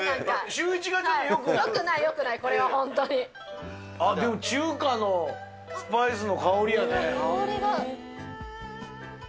シューイチがちょっとよくなよくない、よくない、これはでも中華のスパイスの香りや香りが。